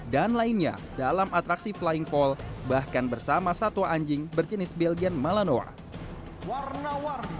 dan lainnya dalam atraksi flying fall bahkan bersama satwa anjing berjenis belgian malanoa